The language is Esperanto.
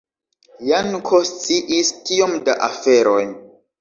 Janko sciis tiom da aferoj!